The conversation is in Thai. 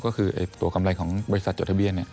ก็คือตัวกำไรของบริษัทจดทะเบียน